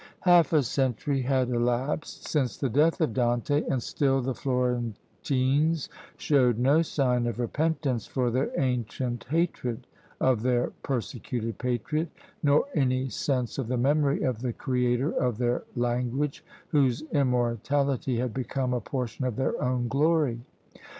Half a century had elapsed since the death of Dante, and still the Florentines showed no sign of repentance for their ancient hatred of their persecuted patriot, nor any sense of the memory of the creator of their language, whose immortality had become a portion of their own glory.